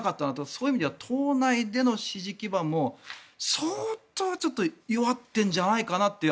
そういう意味では党内での支持基盤も相当弱っているんじゃないかなって。